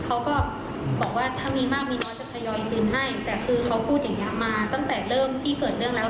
เขาก็บอกว่าถ้ามีมากมีน้อยจะทยอยคืนให้แต่คือเขาพูดอย่างเงี้มาตั้งแต่เริ่มที่เกิดเรื่องแล้ว